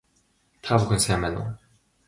Та бүхэн сайн байна уу